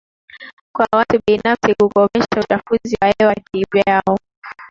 kwa watu binafsi kukomesha uchafuzi wa hewa kivyao